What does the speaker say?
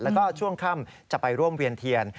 แล้วก็ช่วงค่ำจะไปร่วมเวียนเทียน